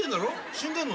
死んでんの？